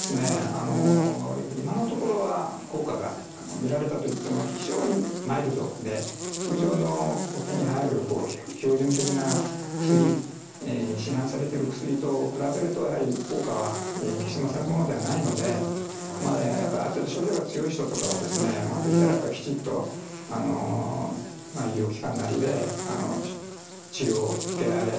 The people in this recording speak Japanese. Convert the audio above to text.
あの今のところは効果が見られたといっても非常にマイルドで通常の手に入る標準的な薬市販されてる薬と比べるとやはり効果は決して勝るものではないのでやっぱりある程度症状が強い人とかはですねまあできたらやっぱりきちっと医療機関なりで治療を受けられるのがやはりベストだと思います。